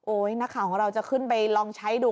นักข่าวของเราจะขึ้นไปลองใช้ดู